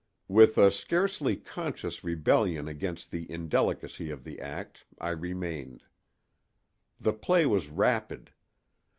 With a scarcely conscious rebellion against the indelicacy of the act I remained. The play was rapid.